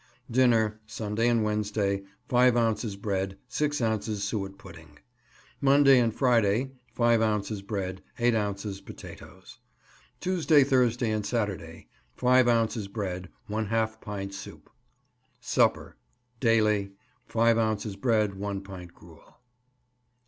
Dinner Sunday and Wednesday 5 ounces bread, 6 ounces suet pudding. Monday and Friday 5 ounces bread, 8 ounces potatoes. Tuesday, Thursday and Saturday 5 ounces bread, ½ pint soup. Supper Daily 5 ounces bread, 1 pint gruel.